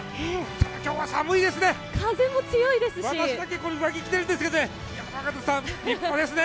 ただ、今日は寒いですね、私だけ上着着てるんですけどね、山形さん、りっぱですね。